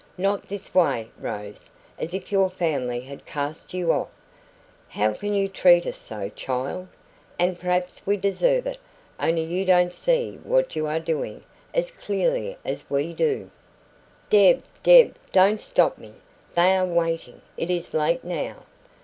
"Not this way, Rose, as if your family had cast you off. How can you treat us so, child? But perhaps we deserve it; only you don't see what you are doing as clearly as we do " "Deb, Deb, don't stop me! They are waiting. It is late now!"